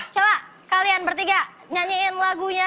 coba kalian bertiga nyanyiin lagunya